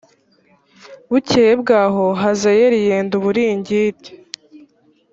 bukeye bwaho hazayeli yenda uburingiti